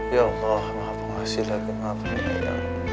ya allah maaf mengasih lagi maafkan saya